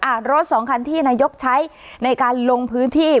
รถสองคันที่นายกใช้ในการลงพื้นที่